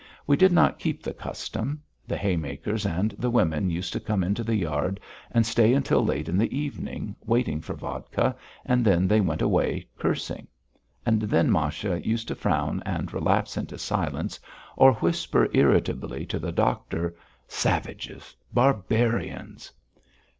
We did not keep the custom; the haymakers and the women used to come into the yard and stay until late in the evening, waiting for vodka, and then they went away cursing. And then Masha used to frown and relapse into silence or whisper irritably to the doctor: "Savages! Barbarians!"